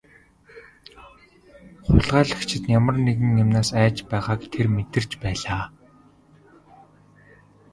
Хулгайлагчид ямар нэгэн юмнаас айж байгааг тэр мэдэрч байлаа.